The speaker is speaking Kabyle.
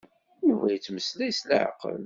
Yuba yettmeslay s leɛqel.